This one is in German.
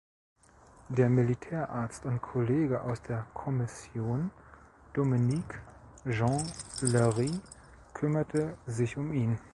Der Militärarzt und Kollege aus der „Commission“ Dominique Jean Larrey kümmerte sich um ihn.